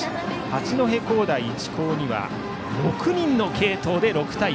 八戸工大一高には６人の継投で６対５。